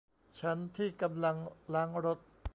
ฉันที่กำลังล้างรถ